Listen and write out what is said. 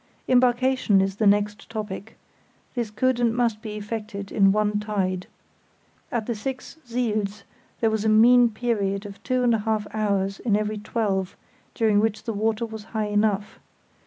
Embarkation is the next topic. This could and must be effected in one tide. At the six siels there was a mean period of two and a half hours in every twelve, during which the water was high enough.